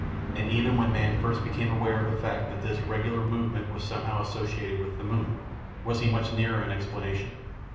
And even when man first became aware of the fact that this regular movement was somehow associated with the moon, was he much nearer an explanation?